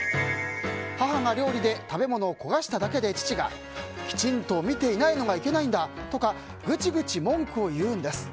母が料理で食べ物を焦がしただけで父が、きちんと見ていないのがいけないんだとかグチグチ文句を言うんです。